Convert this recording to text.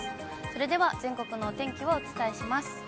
それでは、全国のお天気をお伝えします。